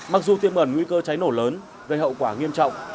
mặc dù tiêm bẩn nguy cơ cháy nổ lớn gây hậu quả nghiêm trọng